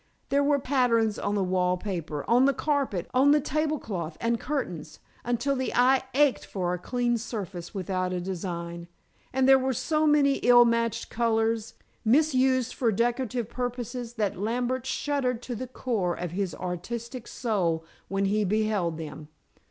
There were patterns on the wall paper, on the carpet, on the tablecloth and curtains, until the eye ached for a clean surface without a design. And there were so many ill matched colors, misused for decorative purposes, that Lambert shuddered to the core of his artistic soul when he beheld them.